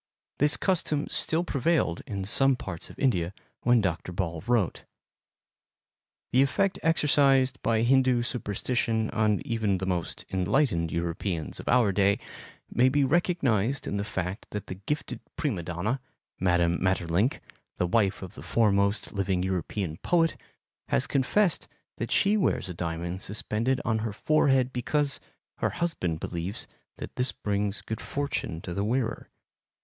This custom still prevailed in some parts of India when Dr. Ball wrote. The effect exercised by Hindu superstition on even the most enlightened Europeans of our day may be recognized in the fact that the gifted prima donna, Mme. Maeterlinck, the wife of the foremost living European poet, has confessed that she wears a diamond suspended on her forehead because her husband believes that this brings good fortune to the wearer.